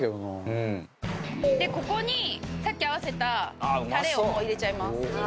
「うん」でここにさっき合わせたタレをもう入れちゃいます。